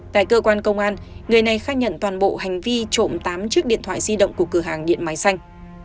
tại cơ quan công an người này khai nhận toàn bộ hành vi trộm tám chiếc điện thoại di động của cửa hàng điện máy xanh